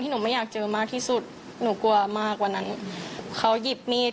หนูไม่อยากเจอมากที่สุดหนูกลัวมากวันนั้นเขาหยิบมีด